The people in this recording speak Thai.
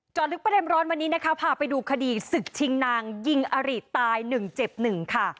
จอดลึกประเด็นร้อนวันนี้นะครับพาไปดูคดีศึกชิงนางยิงอรีตตายหนึ่งเจ็บหนึ่งค่ะ